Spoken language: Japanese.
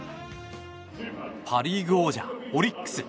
パ・リーグ王者、オリックス。